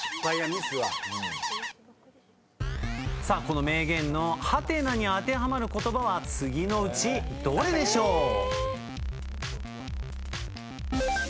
さあこの名言のハテナに当てはまる言葉は次のうちどれでしょう？